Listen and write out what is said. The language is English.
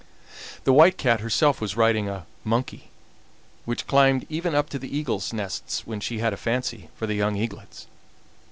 The White Cat herself was riding a monkey, which climbed even up to the eagles' nests when she had a fancy for the young eaglets.